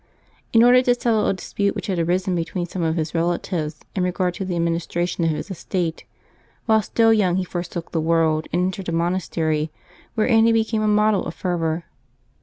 In order to settle a dispute which had arisen between some of his relatives in regard to the administra tion of his estate, while still young he forsook the world and entered a monastery, wherein he became a model of fervor.